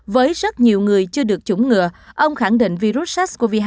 với rất nhiều người chưa được chủng ngừa ông khẳng định virus sars cov hai